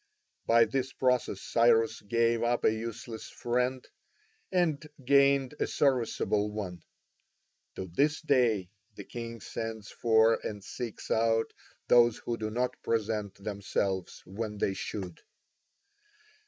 By this process Cyrus gave up a useless friend and gained a serviceable one. To this day the king sends for and seeks out those who do not present themselves when they should.